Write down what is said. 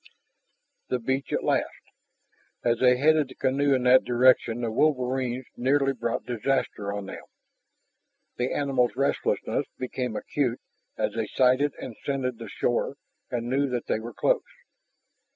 The beach at last! As they headed the canoe in that direction the wolverines nearly brought disaster on them. The animals' restlessness became acute as they sighted and scented the shore and knew that they were close.